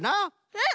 うん！